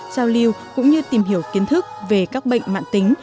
giao lưu cũng như tìm hiểu kiến thức về các bệnh mạng tính